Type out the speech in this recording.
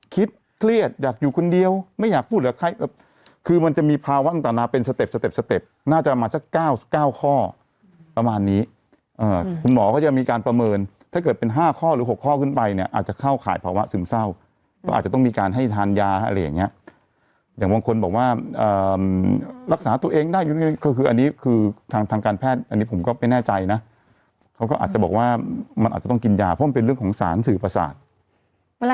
คิดเครียดอยากอยู่คนเดียวไม่อยากพูดหรือใครแบบคือมันจะมีภาวะอันตนาเป็นสเต็ปสเต็ปสเต็ปน่าจะมาสักเก้าสเก้าข้อประมาณนี้เอ่อคุณหมอก็จะมีการประเมินถ้าเกิดเป็นห้าข้อหรือหกข้อขึ้นไปเนี้ยอาจจะเข้าขายภาวะซึมเศร้าก็อาจจะต้องมีการให้ทานยาอะไรอย่างเงี้ยอย่างบางคนบอกว่าเอ่อรั